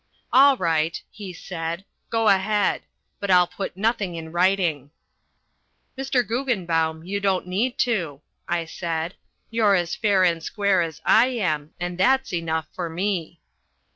"All right," he said. "Go ahead. But I'll put nothing in writing." "Mr. Guggenbaum, you don't need to," I said. "You're as fair and square as I am and that's enough for me."